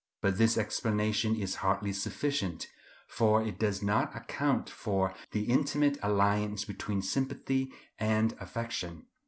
But this explanation is hardly sufficient, for it does not account for the intimate alliance between sympathy and affection.